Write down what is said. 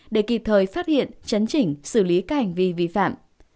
để kịp thời phát hiện chấn chỉnh xử lý các hành vi vi phạm